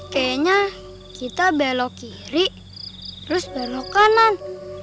kayaknya kita belok kiri terus belok kanan